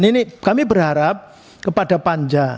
ini kami berharap kepada panja